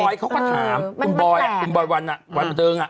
อาทิตย์เขาก็ถามคุณบอยด์อ่ะคุณบอลรวันอ่ะวันประเติมอ่ะ